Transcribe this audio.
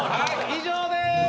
以上です！